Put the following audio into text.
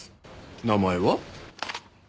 名前は？